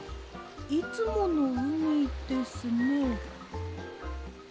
いつものうみですね。